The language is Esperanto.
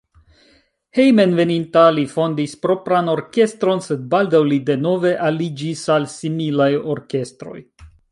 Hejmenveninta li fondis propran orkestron, sed baldaŭ li denove aliĝis al similaj orkestroj.